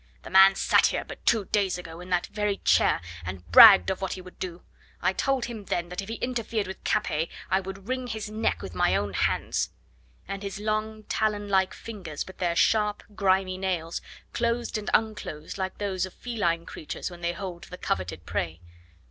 The man sat here but two days ago, in that very chair, and bragged of what he would do. I told him then that if he interfered with Capet I would wring his neck with my own hands." And his long, talon like fingers, with their sharp, grimy nails, closed and unclosed like those of feline creatures when they hold the coveted prey.